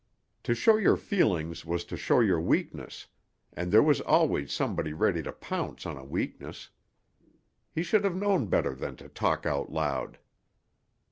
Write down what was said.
To show your feelings was to show your weakness, and there was always somebody ready to pounce on a weakness. He should have known better than to talk out loud.